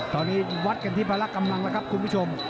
ตอนนี้วัดกันที่พละกำลังแล้วครับคุณผู้ชม